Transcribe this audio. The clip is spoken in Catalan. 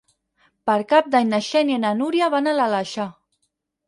Per Cap d'Any na Xènia i na Núria van a l'Aleixar.